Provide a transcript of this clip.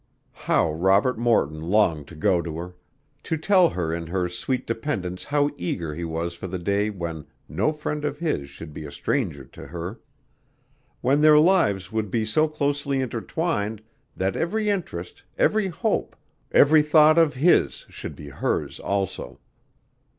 How Robert Morton longed to go to her, to tell her in her sweet dependence how eager he was for the day when no friend of his should be a stranger to her; when their lives would be so closely intertwined that every interest, every hope, every thought of his should be hers also.